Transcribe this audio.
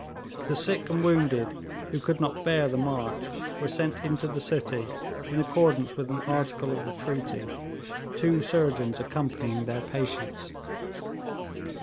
The sick and wounded who could not bear the march were sent into the city in accordance with an article of the treaty, two surgeons accompanying their patients.